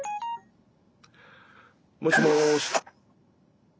もしもし。